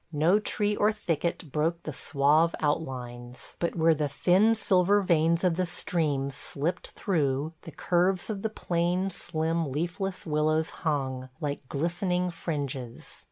No tree or thicket broke the suave outlines, but where the thin silver veins of the streams slipped through the curves of the plain, slim, leafless willows hung, like glistening fringes.